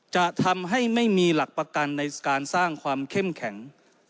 จะทำให้ไม่มีหลักประกันในการสร้างความเข้มแข็ง